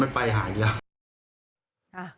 ไม่ไปหาอีกเหรอ